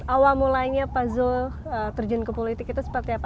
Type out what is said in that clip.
awal mulanya puzzle terjun ke politik itu seperti apa